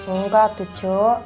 enggak tuh cu